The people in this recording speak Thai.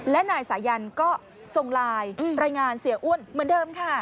และนายสายันก็ส่งไลน์รายงานเสียอ้วนเหมือนเดิมค่ะ